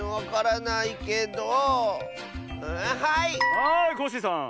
はいコッシーさん。